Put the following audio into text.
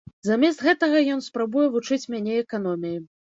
Замест гэтага ён спрабуе вучыць мяне эканоміі.